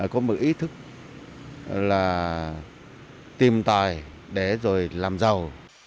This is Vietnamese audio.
có một ý thức là tìm tòi để rồi làm giàu